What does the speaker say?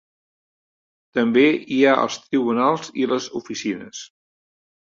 També hi ha els tribunals i les oficines.